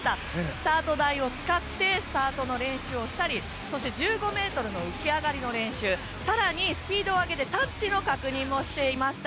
スタート台を使ってスタートの練習をしたりそして１５ｍの浮き上がりの練習更に、スピードを上げてタッチの確認をしていました。